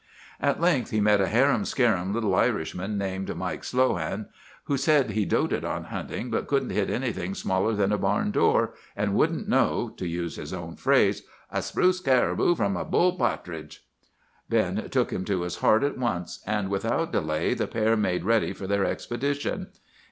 "At length he met a harum scarum little Irishman named Mike Slohan, who said he doted on hunting, but couldn't hit anything smaller than a barn door, and wouldn't know—to use his own phrase—'a spruce caribou from a bull pa'tridge.' "Ben took him to his heart at once, and without delay the pair made ready for their expedition.